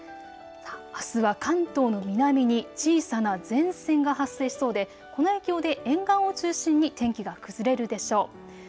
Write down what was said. あすは関東の南に小さな前線が発生しそうで、この影響で沿岸を中心に天気が崩れるでしょう。